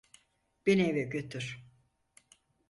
Beni eve götür.